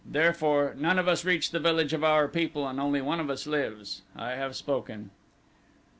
Therefore none of us reached the village of our people and only one of us lives. I have spoken."